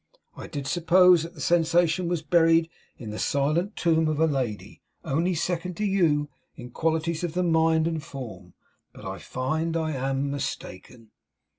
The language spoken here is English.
I did suppose that the sensation was buried in the silent tomb of a lady, only second to you in qualities of the mind and form; but I find I am mistaken.